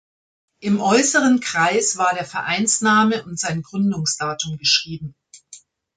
Im äußeren Kreis war der Vereinsname und sein Gründungsdatum geschrieben.